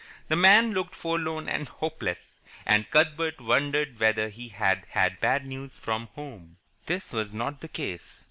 The man looked forlorn and hopeless, and Cuthbert wondered whether he had had bad news from home. This was not the case.